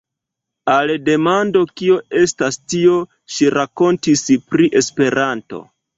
Al demando kio estas tio, ŝi rakontis pri Esperanto.